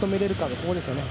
ここですよね。